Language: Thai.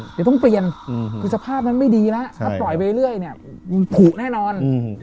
เดี๋ยวต้องเปลี่ยนสภาพมันไม่ดีนะถ้าปล่อยไปเรื่อยถูกแน่นอน